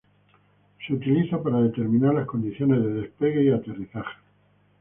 Se utiliza para determinar las condiciones de despegue y aterrizaje.